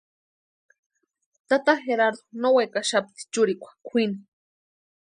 Tata Gerardu no wekaxapti churikwa kwʼini.